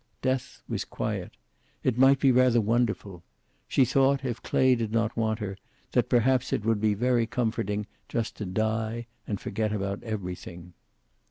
Death was quiet. It might be rather wonderful. She thought, if Clay did not want her, that perhaps it would be very comforting just to die and forget about everything.